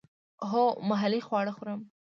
هو، محلی خواړه خورم